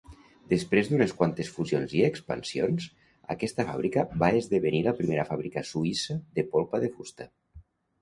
Després d'unes quantes fusions i expansions, aquesta fàbrica va esdevenir la primera fàbrica suïssa de polpa de fusta.